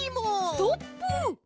ストップ！